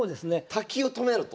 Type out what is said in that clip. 滝を止めろと？